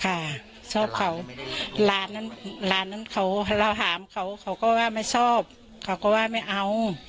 ค่าชอบเขาหลานนั้นเราหามเขาเขาก็ว่าไม่ชอบเขาก็ว่าไม่เอา